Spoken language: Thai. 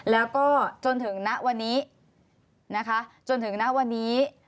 แล้วก็จนถึงณวันนี้นะคะจนถึงณวันนี้